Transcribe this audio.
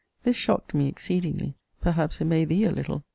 This shocked me exceedingly perhaps it may thee a little!!!